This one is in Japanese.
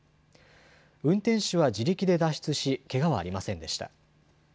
運転手は自力で脱出しけがはありませんでした。